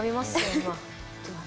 今。